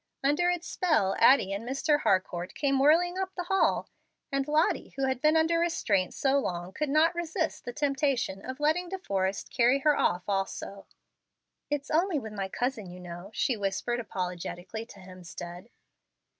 Under its spell Addie and Mr. Harcourt came whirling up the hall, and Lottie, who had been under restraint so long, could not resist the temptation of letting De Forrest carry her off also. "It's only with my cousin, you know," she whispered apologetically to Hemstead.